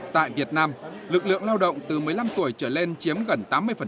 tại việt nam lực lượng lao động từ một mươi năm tuổi trở lên chiếm gần tám mươi